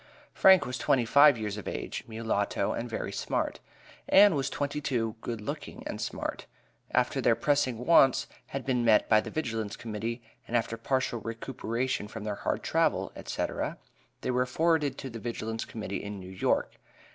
Frank was twenty five years of age, mulatto, and very smart; Ann was twenty two, good looking, and smart. After their pressing wants had been met by the Vigilance Committee, and after partial recuperation from their hard travel, etc., they were forwarded on to the Vigilance Committee in New York.